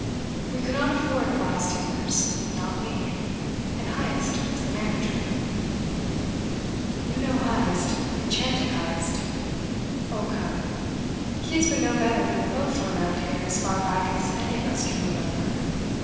We could not afford to buy steamers. Not we. And Heyst was the manager. "You know, Heyst, enchanted Heyst." "Oh, come! He has been no better than a loafer around here as far back as any of us can remember."